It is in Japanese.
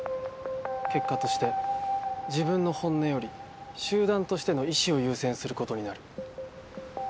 結果として自分の本音より集団としての意思を優先することになる。